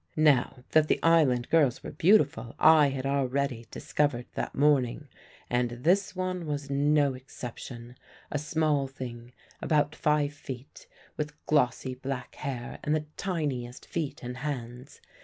Now that the island girls were beautiful I had already discovered that morning, and this one was no exception a small thing about five feet, with glossy black hair and the tiniest feet and hands.